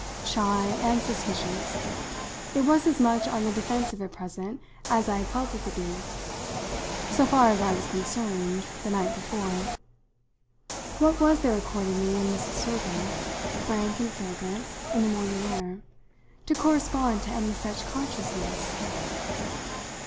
Shy and suspicious, it was as much on the defensive at present as I had felt it to be so far as I was concerned the night before. What was there accordingly in Mrs. Server frank and fragrant in the morning air to correspond to any such consciousness?